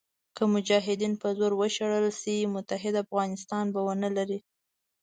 که مجاهدین په زور وشړل شي متحد افغانستان به ونه لرئ.